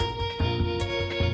gue udah selesai